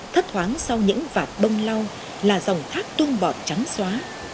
thất thoáng sau những vạt bông lau là dòng thác tuôn bọt trắng xóa